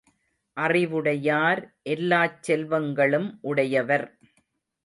அறிவுடையார் எல்லாச் செல்வங்களும் உடையவர்.